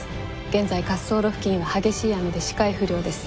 現在滑走路付近は激しい雨で視界不良です。